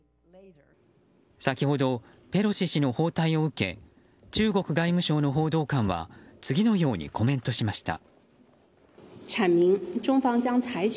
先ほど、ペロシ氏の訪台を受け中国外務省の報道官は次のようにコメントしました。